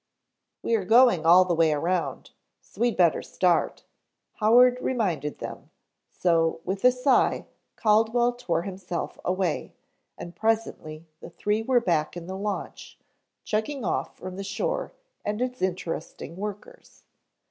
"We are going all the way around, so we'd better start," Howard reminded them, so with a sigh, Caldwell tore himself away, and presently the three were back in the launch, chugging off from the shore and its interesting workers.